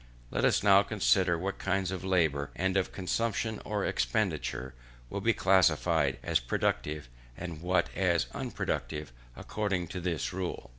Let us now consider what kinds of labour, and of consumption or expenditure, will be classed as productive, and what as unproductive, according to this rule.